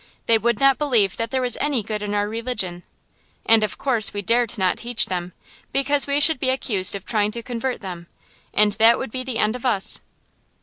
They would not believe that there was any good in our religion, and of course we dared not teach them, because we should be accused of trying to convert them, and that would be the end of us.